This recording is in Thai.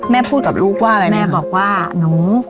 พูดกับลูกว่าอะไรแม่บอกว่าหนู